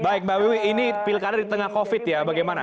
baik bawiwi ini pilkada di tengah covid ya bagaimana